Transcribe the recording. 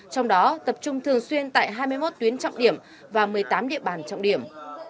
trong đó tập trung thường xuyên tại hai mươi một tuyến trọng điểm và một mươi tám địa bàn trọng điểm